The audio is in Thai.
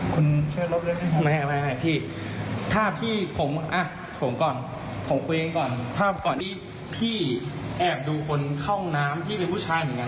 คุณให้มันแอบดูผมข้องร้ำหน่อย